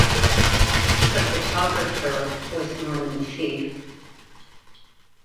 The photographer was Norman Seeff.